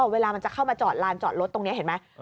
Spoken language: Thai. เวลามันจะเข้ามาจอดลานจอดรถตรงนี้เห็นไหม